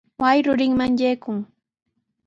Wasi rurinman yaykuy.